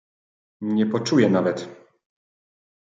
"Nie poczuje nawet!"